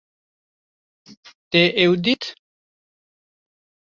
Te ew dît